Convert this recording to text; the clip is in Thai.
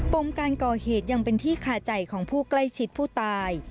มการก่อเหตุยังเป็นที่คาใจของผู้ใกล้ชิดผู้ตาย